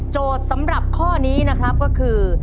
สำหรับข้อนี้นะครับก็คือ